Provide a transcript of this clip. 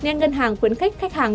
nên ngân hàng khuyến khích khách hàng